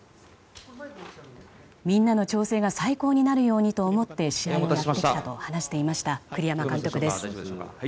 みんなの調整が最高になるようにと思って試合をやってきたと話していた栗山監督です。